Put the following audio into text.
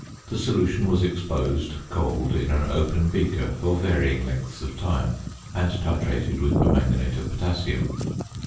The solution was exposed, cold, in an open beaker for varying lengths of time, and titrated with permanganate of potassium.